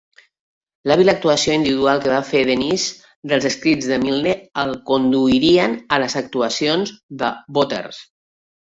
L'hàbil actuació individual que va fer Dennis dels escrits de Milne el conduirien a les actuacions de "Bother!".